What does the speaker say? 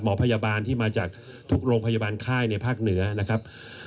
หมอพยาบาลที่มาจากทุกโรงพยาบาลค่ายในภาคเหนือนะครับ